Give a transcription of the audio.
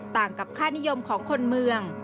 ต่างกับค่านิยมของคนเมือง